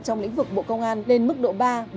trong lĩnh vực bộ công an lên mức độ ba bốn